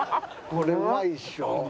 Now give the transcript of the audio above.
これうまいでしょ？